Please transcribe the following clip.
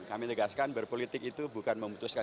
kami tegaskan berpolitik itu bukan memutuskan